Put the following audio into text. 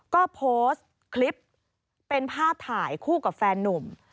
ก็โพสต์คลิปเป็นภาพถ่ายคู่กับแฟนนุ่ม